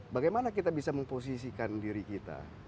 bagaimana kita bisa memposisikan diri kita